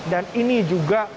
dan ini juga